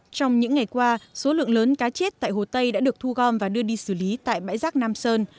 trong những ngày qua số lượng lớn cá chết tại hồ tây đã được thu gom và đưa đi xử lý tại bãi rác nam sơn